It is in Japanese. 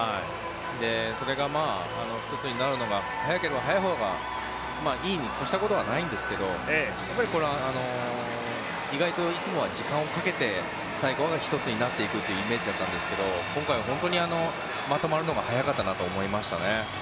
それが１つになるのが早ければ早いほうがいいに越したことはないんですが意外といつもは時間をかけて最後は一つになっていくというイメージだったんですが今回は本当にまとまるのが早かったなと思いましたね。